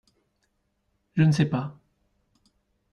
Je ne sais pas !